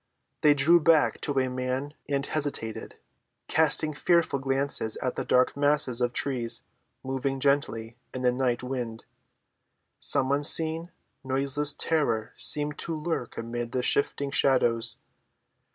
They drew back to a man and hesitated, casting fearful glances at the dark masses of trees moving gently in the night wind. Some unseen, noiseless terror seemed to lurk amid the shifting shadows.